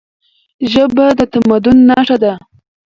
ژبه د تمدن نښه ده.